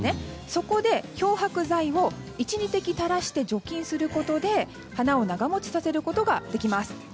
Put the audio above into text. そこで、漂白剤を１、２滴たらして除菌することで花を長持ちさせることができます。